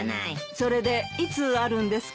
それでいつあるんですか？